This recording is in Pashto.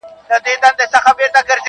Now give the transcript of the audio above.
شپې اخیستی لاره ورکه له کاروانه-